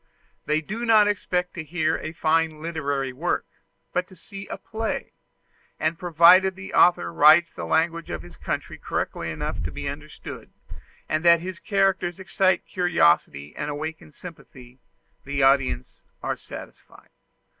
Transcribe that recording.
They do not expect to hear a fine literary work, but to see a play; and provided the author writes the language of his country correctly enough to be understood, and that his characters excite curiosity and awaken sympathy, the audience are satisfied.